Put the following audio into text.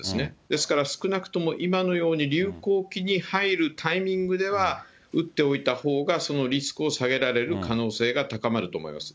ですから、少なくとも今のように流行期に入るタイミングでは打っておいたほうがそのリスクを下げられる可能性が高まると思います。